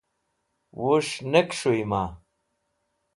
Wus̃h ne kẽshũyẽma